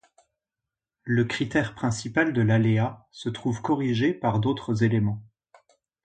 Le critère principal de l'aléa se trouve corrigé par d'autres éléments.